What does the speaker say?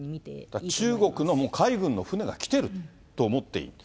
だから中国の、もう海軍の船が来てると思っていい。